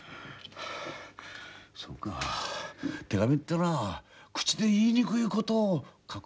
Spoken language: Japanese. そうか手紙ってのは口で言いにくいことを書く。